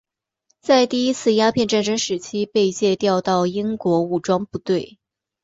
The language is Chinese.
在第一次鸦片战争时期被借调到英国武装部队。